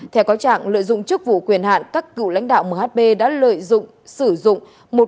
theo cáo trạng lợi dụng chức vụ quyền hạn các cựu lãnh đạo mhb đã lợi dụng sử dụng